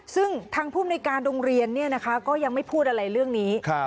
ซึ่งทางภูมิในการโรงเรียนก็ยังไม่พูดอะไรเรื่องนี้